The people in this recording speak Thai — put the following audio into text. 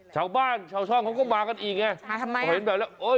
ชาวบ้านชาวช่องเขาก็มากันอีกไงค่ะทำไมพอเห็นแบบนี้โอ้ย